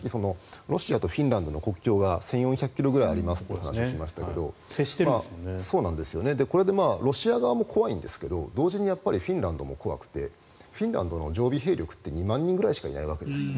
ロシアとフィンランドの国境が１４００ｋｍくらいあるという話をしましたがこれ、ロシア側も怖いんですが同時にフィンランドも怖くてフィンランドの常備兵力って２万人ぐらいしかいないんですね。